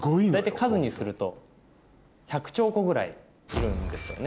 数にすると１００兆個ぐらいいるんですよね。